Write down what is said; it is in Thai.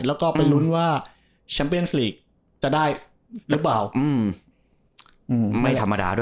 แล้วก็ไปลุนว่าชัมเปญสตรีกจะได้หรือเปล่า